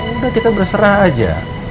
udah kita berserah aja